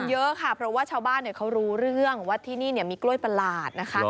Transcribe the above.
เยอะค่ะเพราะว่าชาวบ้านเขารู้เรื่องว่าที่นี่มีกล้วยประหลาดนะคะ